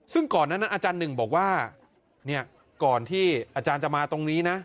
ซึ่งก่อนนั้นอาจารย์หนึ่งบอกว่าก่อนที่อาจารย์จะมาตรงนี้นะ